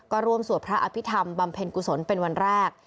ก็ร่วมสวดพระอภิษฐรรมบำเพ็ญกุศลเป็นวันแรก